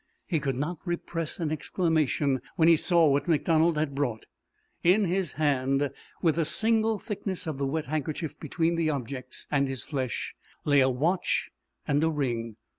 He could not repress an exclamation when he saw what MacDonald had brought. In his hand, with a single thickness of the wet handkerchief between the objects and his flesh, lay a watch and a ring.